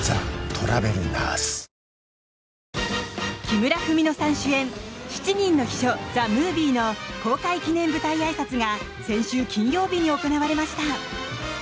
木村文乃さん主演「七人の秘書ＴＨＥＭＯＶＩＥ」の公開記念舞台あいさつが先週金曜日に行われました。